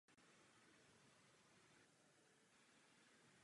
Odnož první internacionály ve Španělsku se nazývá Španělská federace.